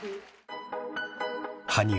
［羽生。